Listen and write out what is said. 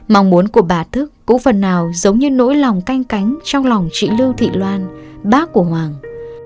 mong muốn của bà thức cũng phần nào giống như nỗi lòng canh cánh trong lòng chị lưu thị loan bác của hoàng